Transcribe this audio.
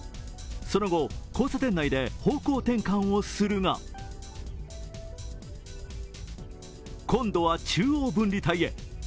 その後、交差点内で方向転換をするが今度は中央分離帯へ。